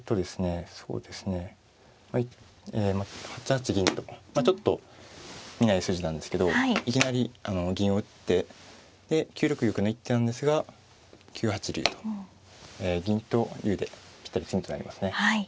８八銀とちょっと見ない筋なんですけどいきなり銀を打ってで９六玉の一手なんですが９八竜と銀と竜でぴったり詰みとなりますね。